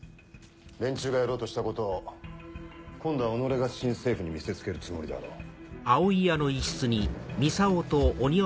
連中がやろうとしたことを今度は己が新政府に見せつけるつもりだろう。